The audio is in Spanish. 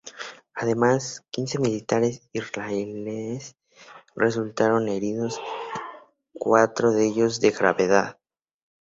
Además, quince militares israelíes resultaron heridos, cuatro de ellos de gravedad.